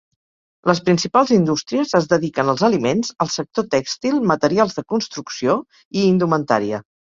Les principals indústries es dediquen als aliments, el sector tèxtil, materials de construcció i indumentària.